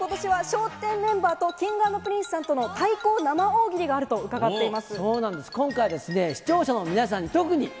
そしてさらにことしは、笑点メンバーとＫｉｎｇ＆Ｐｒｉｎｃｅさんとの対抗生大喜利があるとあると伺っています。